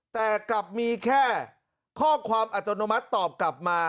แต่กลับมีแค่ข้อความอัตโนมัติตอบกลับมา